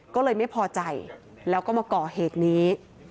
ก็เลยไม่พอใจแล้วก็มาก่อเหตุนี้